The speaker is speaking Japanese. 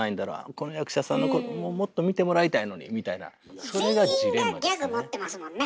この役者さんのこともっと見てもらいたいのにみたいなそれがジレンマですね。